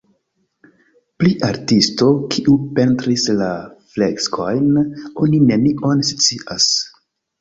Pri artisto, kiu pentris la freskojn oni nenion scias.